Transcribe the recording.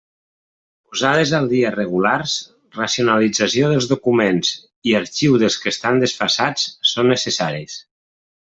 Posades al dia regulars, racionalització dels documents, i arxiu dels que estan desfasats, són necessaris.